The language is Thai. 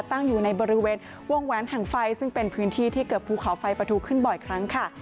ตั้งอยู่ในบริเวณวงแหวนแห่งไฟซึ่งเป็นพื้นที่ที่เกิดภูเขาไฟประทูขึ้นบ่อยครั้งค่ะ